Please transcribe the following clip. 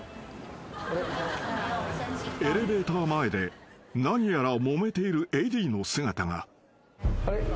［エレベーター前で何やらもめているＡＤの姿が］